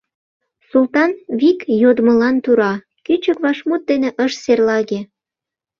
Султан вик йодмылан тура, кӱчык вашмут дене ыш серлаге.